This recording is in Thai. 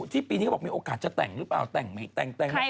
ปีนี้เขาบอกมีโอกาสจะแต่งหรือเปล่าแต่งไม่แต่ง